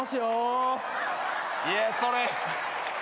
いやそれ。